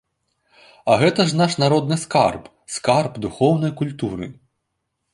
А гэта ж наш народны скарб, скарб духоўнай культуры.